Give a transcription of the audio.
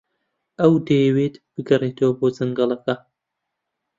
ئەو دەیەوێت بگەڕێتەوە بۆ جەنگەڵەکە.